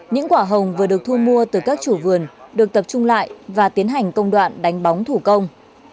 những quả hồng vừa được thu mua từ các chủ vườn được tập trung lại và tiến hành công đoạn đánh bóng thủ công